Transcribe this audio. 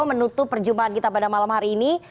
menutup perjumpaan kita pada malam hari ini